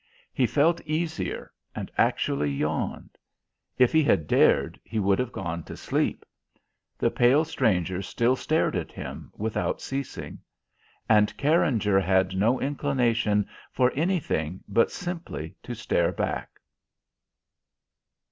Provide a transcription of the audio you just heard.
He felt easier, and actually yawned. If he had dared he would have gone to sleep. The pale stranger still stared at him without ceasing. And Carringer had no inclination for anything but simply to stare back.